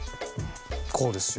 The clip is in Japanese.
こうですよ。